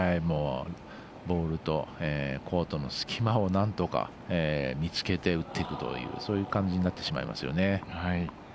ボールとコートの隙間をなんとか見つけて打っていくというそういう感じになってしまいますよね。